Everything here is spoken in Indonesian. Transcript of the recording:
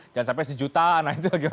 jangan sampai sejuta nah itu agak